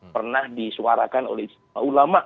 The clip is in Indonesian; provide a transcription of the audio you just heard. pernah disuarakan oleh ulama